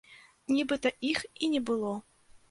Нібыта іх і не было.